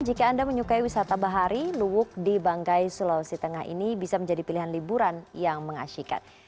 jika anda menyukai wisata bahari luwuk di banggai sulawesi tengah ini bisa menjadi pilihan liburan yang mengasihkan